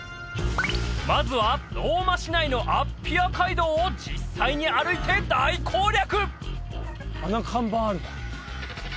まずはローマ市内のアッピア街道を実際に歩いて大攻略！